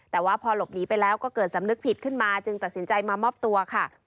แต่ว่าพอหลบหนีไปแล้วก็เกิดสำนึกผิดขึ้นมาจึงตัดสินใจมามอบตัวค่ะ